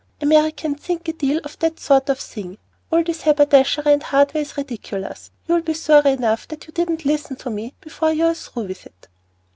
Americans think a deal of that sort of thing. All this haberdashery and hardware is ridiculous, and you'll be sorry enough that you didn't listen to me before you are through with it."